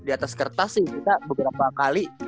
di atas kertas sih kita beberapa kali